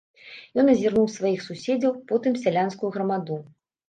Ён азірнуў сваіх суседзяў, потым сялянскую грамаду.